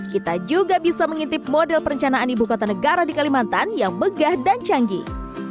kita juga bisa mengintip model perencanaan ibukota negara di kalimantan yang megah dan canggih